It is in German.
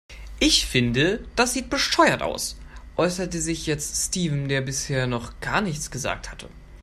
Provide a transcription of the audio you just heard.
Ich finde, das sieht bescheuert aus, äußerte sich jetzt Steven, der bisher noch gar nichts gesagt hatte.